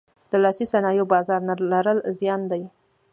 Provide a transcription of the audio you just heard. د لاسي صنایعو بازار نه لرل زیان دی.